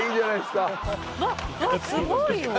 すごいよ。